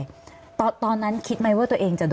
พี่พร้อมทิพย์คิดว่าคุณพิชิตคิดว่าคุณพิชิตคิด